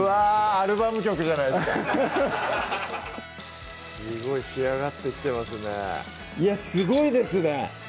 アルバム曲じゃないですかすごい仕上がってきてますねいやすごいですね